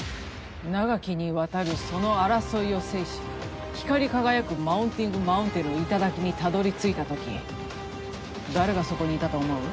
長きにわたるその争いを制し光り輝くマウンティングマウンテンの頂にたどり着いた時誰がそこにいたと思う？